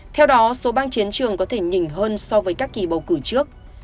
theo đó số bang chiến trường có thể nhỉnh hơn so với các kỳ bầu cử trước